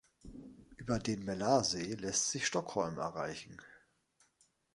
Über den Mälarsee lässt sich Stockholm erreichen.